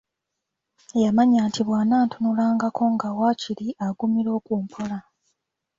Yamanya nti bw'anantunulangako nga waakiri agumira okwo mpola.